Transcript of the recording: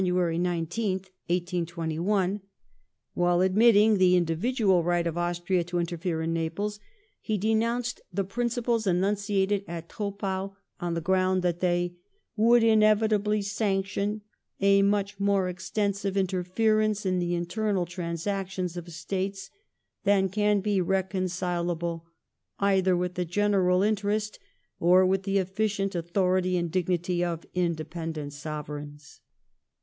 19th, 1821), while admitting the individual right of Austria to interfere in Naples he denounced the principles enunciated at Troppau on the ground that they " would inevitably sanction ... a much more extensive interference in the internal transactions of States than ... can be reconcilable either with the general interest or with the efficient authority and dignity of independent Sovereigns